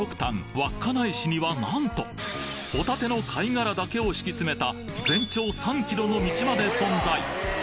稚内市にはなんとホタテの貝殻だけを敷き詰めた全長３キロの道まで存在